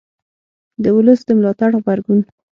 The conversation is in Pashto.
د ولس د ملاتړ غبرګون